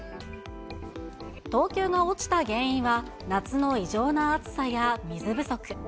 等級が落ちた原因は、夏の異常な暑さや水不足。